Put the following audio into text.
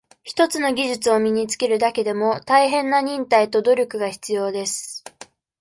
一つの技術を身につけるだけでも、大変な忍耐と、努力が必要です。